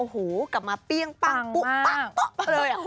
โหกลับมาเปี้ยงปังปุ๊บปั๊บปุ๊บเลยอะ